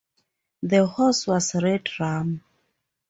The horse was Red Rum.